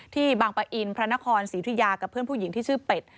บางปะอินพระนครศรีธุยากับเพื่อนผู้หญิงที่ชื่อเป็ด